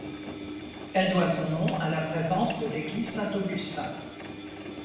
Elle doit son nom à la présence de l'église Saint-Augustin.